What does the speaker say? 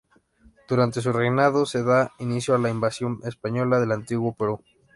Durante su reinado se da inicio a la invasión española del antiguo Perú.